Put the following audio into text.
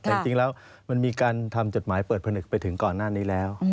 แต่จริงแล้วมันมีการทำจดหมายเปิดผนึกไปถึงก่อนหน้านี้แล้ว